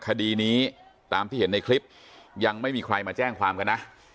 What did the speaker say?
คดีนี้ตามที่เห็นในคลิปยังไม่มีใครมาแจ้งความกันนะ